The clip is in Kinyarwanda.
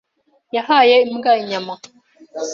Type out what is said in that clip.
Yahaye imbwa inyama.